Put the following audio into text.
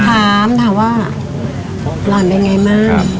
ถามถามว่าหลานเป็นไงบ้าง